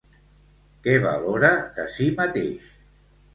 Què valora de si mateix?